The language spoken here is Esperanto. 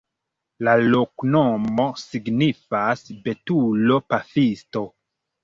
La loknomo signifas: betulo-pafisto.